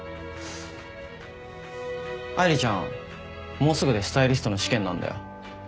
もうすぐでスタイリストの試験なんだよ。